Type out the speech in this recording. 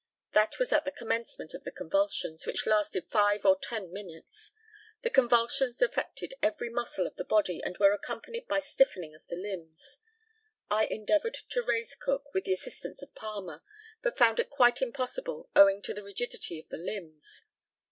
That was at the commencement of the convulsions, which lasted five or ten minutes. The convulsions affected every muscle of the body, and were accompanied by stiffening of the limbs. I endeavoured to raise Cook, with the assistance of Palmer, but found it quite impossible, owing to the rigidity of the limbs.